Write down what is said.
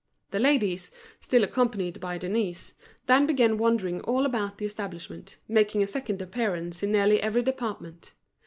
The ladies, still accompanied by Denise, then began wandering all about the establishment, making a second appearance in nearly every department.